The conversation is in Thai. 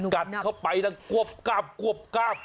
กัดเข้าไปกรวบกราบกรวบกราบ